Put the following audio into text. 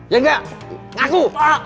ya gak ngaku